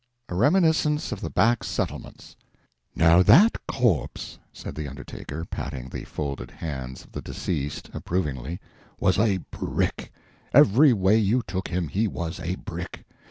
A REMINISCENCE OF THE BACK SETTLEMENTS "Now that corpse [said the undertaker, patting the folded hands of the deceased approvingly] was a brick every way you took him he was a brick.